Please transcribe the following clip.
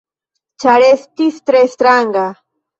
Ĉar estis tre stranga.